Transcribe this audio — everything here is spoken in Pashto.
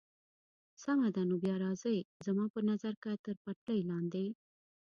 سمه ده، نو بیا راځئ، زما په نظر که تر پټلۍ لاندې.